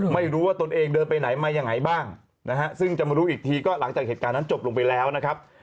ไม่รู้ว่าตนเองเดินไปไหนมายังไงบ้างนะฮะซึ่งจะมารู้อีกทีก็หลังจากเหตุการณ์นั้นจบลงไปแล้วนะครับ